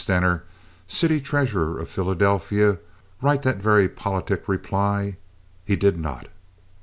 Stener, city treasurer of Philadelphia, write that very politic reply? He did not.